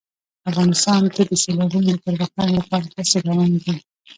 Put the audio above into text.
افغانستان کې د سیلابونو د پرمختګ لپاره هڅې روانې دي.